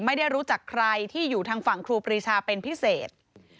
ไม่ได้รู้จักใครที่อยู่ทางฝั่งครูปรีชาเป็นพิเศษ